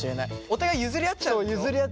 お互い譲り合っちゃうんでしょ？